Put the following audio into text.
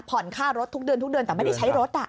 ผ่อนค่ารถทุกเดือนแต่ไม่ได้ใช้รถ